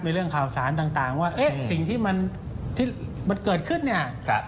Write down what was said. เรื่องข่าวสารต่างว่าเอ๊ะสิ่งที่มันเกิดขึ้นเนี่ย